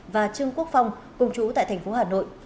và trương quốc phong cùng chú tại thành phố hà nội